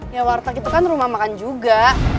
ya warteg itu kan rumah makan juga